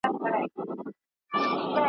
د لنډو کیسو څلور مجموعې یې چاپ ته وسپارلې ,